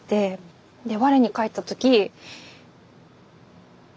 でわれに返った時。